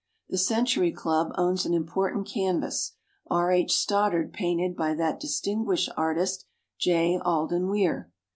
The Century Club owns an important canvas, R. H. Stoddard painted by that distinguished artist J. Alden Weir.